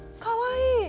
かわいい。